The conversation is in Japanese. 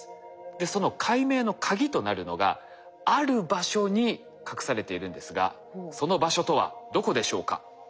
その解明のカギとなるのがある場所に隠されているんですがその場所とはどこでしょうか？